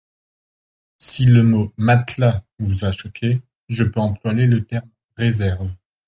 Si le mot « matelas » vous a choqué, je peux employer le terme « réserves ».